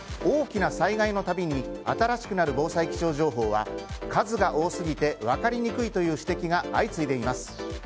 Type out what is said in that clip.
大きな災害の度に新しくなる防災気象情報は数が多すぎて分かりにくいという指摘が相次いでいます。